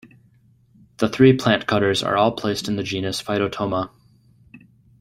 The three plantcutters are all placed in the genus Phytotoma.